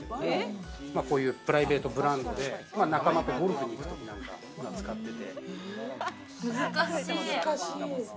こういうプライベートブランドで仲間とゴルフに行くときなんかに使ってて。